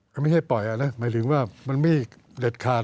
ก็ไม่ใช่ปล่อยนะหมายถึงว่ามันไม่เด็ดขาด